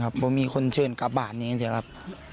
เพราะมีคนเชิญกลับบ้านอย่างนี้สิครับ